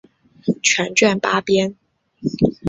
全卷八编。